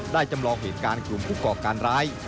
จำลองเหตุการณ์กลุ่มผู้ก่อการร้าย